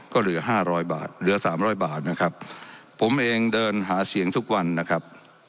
ก็เหลือห้าร้อยบาทเหลือสามร้อยบาทนะครับผมเองเดินหาเสียงทุกวันนะครับ